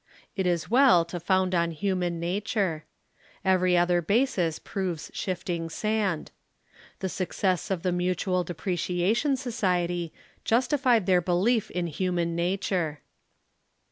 It is well to found on human nature. Every other basis proves shifting sand. The success of the Mutual Depreciation Society justified their belief in human nature.